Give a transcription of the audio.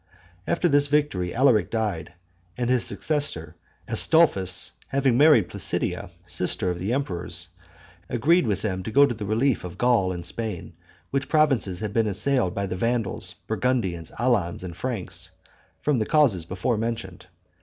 After this victory, Alaric died, and his successor, Astolphus, having married Placidia, sister of the emperors, agreed with them to go to the relief of Gaul and Spain, which provinces had been assailed by the Vandals, Burgundians, Alans, and Franks, from the causes before mentioned.